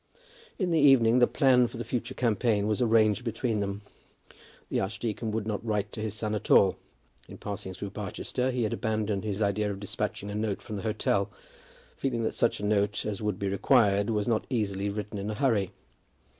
In the evening the plan of the future campaign was arranged between them. The archdeacon would not write to his son at all. In passing through Barchester he had abandoned his idea of despatching a note from the hotel, feeling that such a note as would be required was not easily written in a hurry.